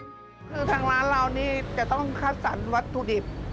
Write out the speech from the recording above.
คือทางร้านเรานี่จะต้องคัดสรรวัตถุดิบ